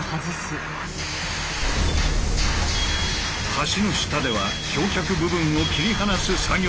橋の下では橋脚部分を切り離す作業が行われていた。